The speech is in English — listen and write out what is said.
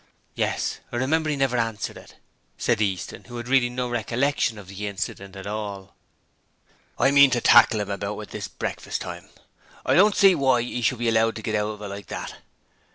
'Yes, I remember 'e never answered it,' said Easton, who had really no recollection of the incident at all. 'I mean to tackle 'im about it at breakfast time. I don't see why 'e should be allowed to get out of it like that.